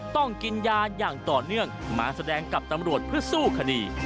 ต้องกินยาอย่างต่อเนื่องมาแสดงกับตำรวจเพื่อสู้คดี